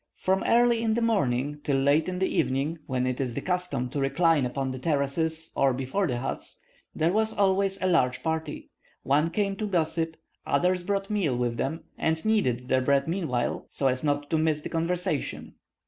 From early in the morning till late in the evening, when it is the custom to recline upon the terraces, or before the huts, there was always a large party; one came to gossip, others brought meal with them, and kneaded their bread meanwhile, so as not to miss the conversation.